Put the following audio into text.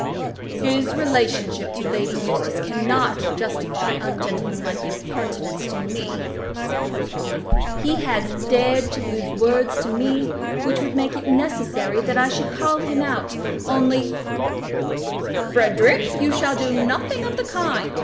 "His relationship to Lady Eustace cannot justify ungentlemanlike impertinence to me," said Lord Fawn. "He has dared to use words to me which would make it necessary that I should call him out, only " "Frederic, you shall do nothing of the kind!"